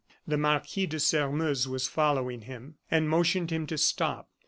The Marquis de Sairmeuse was following him, and motioned him to stop.